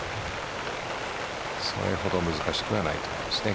それほど難しくはないと思いますね。